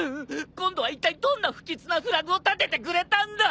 今度はいったいどんな不吉なフラグを立ててくれたんだ！